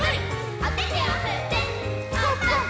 おててをふってパンパン！